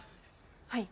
はい。